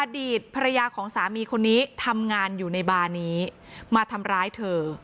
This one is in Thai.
อดีตภรรยาของสามีคนนี้ทำงานอยู่ในบาร์นี้มาทำร้ายเธอ